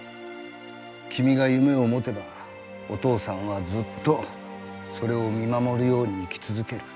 君が夢を持てばお父さんはずっとそれを見守るように生き続ける。